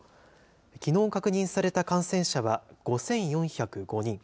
きのう確認された感染者は５４０５人。